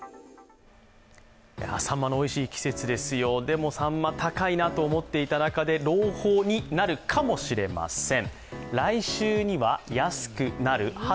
さんまのおいしい季節ですよ、でもさんま、高いなと思っていた中で朗報になるかもしれません。